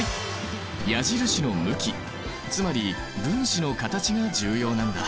矢印の向きつまり分子の形が重要なんだ。